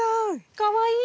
かわいい！